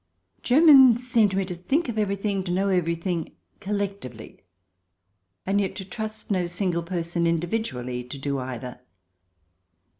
Germans seem to me to think of everything, to know everything collectively, and yet to trust no single person, individually, to do either.